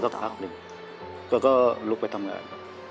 นั่งสักพักหนึ่งก็ก็ลุกไปทำงาน